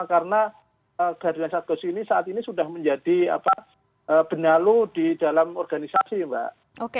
karena kehadiran satgas sus ini saat ini sudah menjadi benalu di dalam organisasi mbak